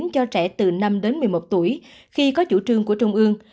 cho trẻ từ năm đến một mươi một tuổi khi có chủ trương của trung ương